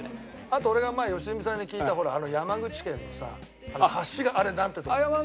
あと俺が前良純さんに聞いたほら山口県のさ橋があれなんてところ？